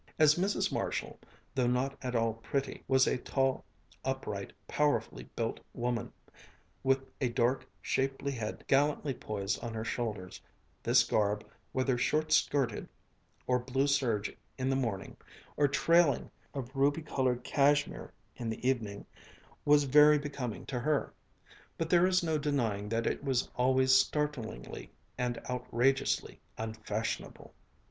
As Mrs. Marshall, though not at all pretty, was a tall, upright, powerfully built woman, with a dark, shapely head gallantly poised on her shoulders, this garb, whether short skirted, of blue serge in the morning, or trailing, of ruby colored cashmere in the evening, was very becoming to her. But there is no denying that it was always startlingly and outrageously unfashionable.